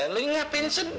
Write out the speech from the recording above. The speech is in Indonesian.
lo ingapin sedih